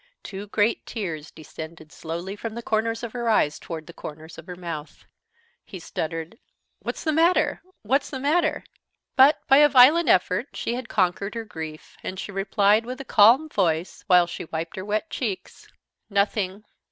Two great tears descended slowly from the corners of her eyes toward the corners of her mouth. He stuttered: "What's the matter? What's the matter?" But, by a violent effort, she had conquered her grief, and she replied, with a calm voice, while she wiped her wet cheeks: "Nothing.